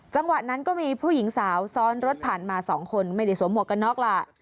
จังหวะนั้นก็มีผู้หญิงสาวซ้อนรถผ่านมา๒คนไม่ได้สวมหวกกันน็อกล่ะ